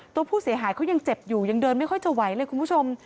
ตัวผู้เสียหายเขายังเจ็บอยู่ยังเดินไม่ค่อยจะไหวเลยคุณผู้ชม